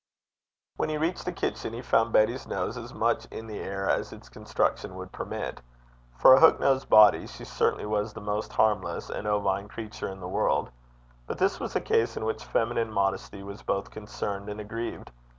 When he reached the kitchen, he found Betty's nose as much in the air as its construction would permit. For a hook nosed animal, she certainly was the most harmless and ovine creature in the world, but this was a case in which feminine modesty was both concerned and aggrieved.